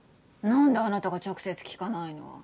なんであなたが直接聞かないの？